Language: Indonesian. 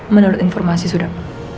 menurut informasi sudah